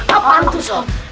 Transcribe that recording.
apaan tuh sob